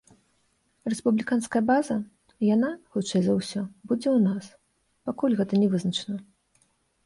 Рэспубліканская база, яна, хутчэй за ўсё, будзе ў нас, пакуль гэта не вызначана.